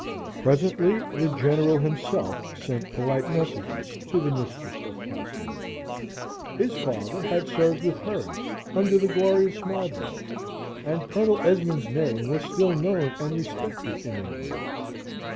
Presently, the General himself sent polite messages to the mistress of Castlewood. His father had served with hers under the glorious Marlborough, and Colonel Esmond's name was still known and respected in England.